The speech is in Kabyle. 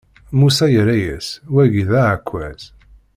Musa yerra-as: Wagi d aɛekkaz.